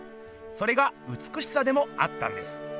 それがうつくしさでもあったんです。